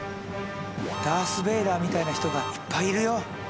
ダース・ベイダーみたいな人がいっぱいいるよ！